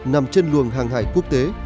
nằm trên luồng hàng hải quốc tế